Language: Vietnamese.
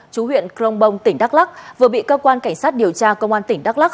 chú huyện crong bong tỉnh đắk lắc vừa bị cơ quan cảnh sát điều tra công an tỉnh đắk lắc